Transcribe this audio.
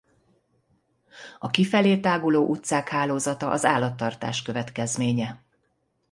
A kifelé táguló utcák hálózata az állattartás következménye.